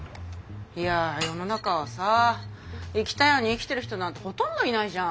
いや世の中はさ生きたいように生きてる人なんてほとんどいないじゃん。